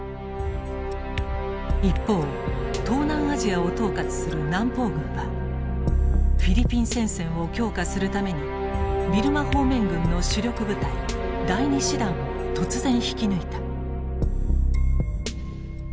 一方東南アジアを統括する南方軍はフィリピン戦線を強化するためにビルマ方面軍の主力部隊第二師団を突然引き抜いた。